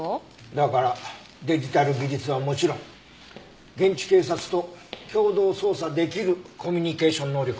だからデジタル技術はもちろん現地警察と共同捜査できるコミュニケーション能力も必要だ。